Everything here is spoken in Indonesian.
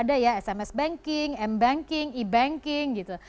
ada ya sms banking mbanking ebanking gitu